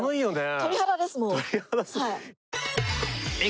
鳥肌ですもう。